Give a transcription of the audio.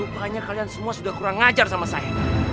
makanya kalian semua sudah kurang ngajar sama saya